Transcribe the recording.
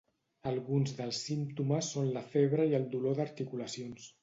Alguns dels símptomes són la febre i el dolor d'articulacions.